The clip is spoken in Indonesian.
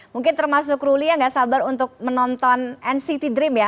mungkin termasuk ruli yang nggak sabar untuk menonton nct dream ya